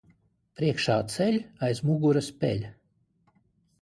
Priekšā ceļ, aiz muguras peļ.